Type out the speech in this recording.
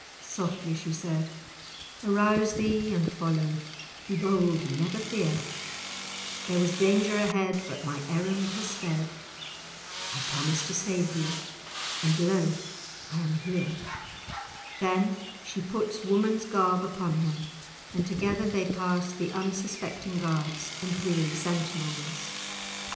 softly she said, "Arouse thee and follow, be bold, never fear, There was danger ahead, but my errand has sped, I promised to save thee, and lo! I am here!" [Illustration: "'Tis I, 'tis thy Winifred!"] Then she puts woman's garb upon him, and together they pass the unsuspecting guards and weary sentinels.